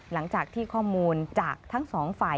หลังจากที่ข้อมูลจากทั้งสองฝ่าย